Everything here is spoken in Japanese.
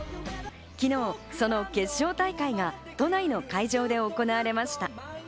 昨日その決勝大会が都内の会場で行われました。